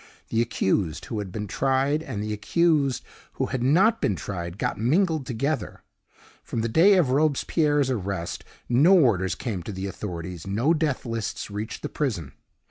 The accused who had been tried and the accused who had not been tried got mingled together. From the day of Robespierre's arrest, no orders came to the authorities, no death lists reached the prison.